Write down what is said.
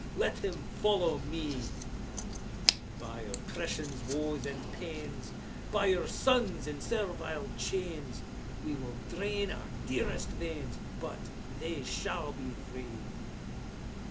Let him follow me ! By oppression's woes and pains! By your sons in servile chains! We will drain our dearest veins. But they shall be free!